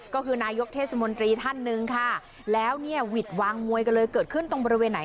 ก็คือนายกเทศมนตรีท่านหนึ่งค่ะแล้วเนี่ยหวิดวางมวยกันเลยเกิดขึ้นตรงบริเวณไหน